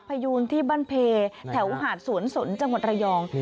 พยูนที่บ้านเพแถวหาดสวนสนจังหวัดระยอง